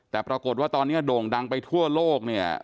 แต่ปรากฏว่าตอนนี้โด่งดังไปทั่วโลกเนี่ย